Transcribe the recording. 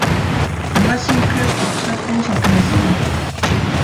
Le Racing Club de Strasbourg s'intéresse à lui.